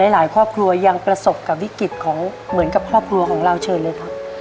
หลายครอบครัวยังประสบกับวิกฤตของเหมือนกับครอบครัวของเราเชิญเลยครับ